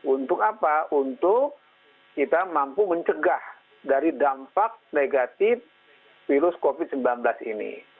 untuk apa untuk kita mampu mencegah dari dampak negatif virus covid sembilan belas ini